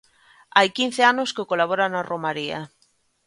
Hai quince anos que colabora na romaría.